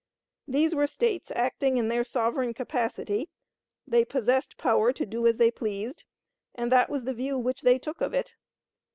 These were States acting in their sovereign capacity; they possessed power to do as they pleased; and that was the view which they took of it.